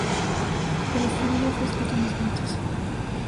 El estribillo fue escrito en dos minutos.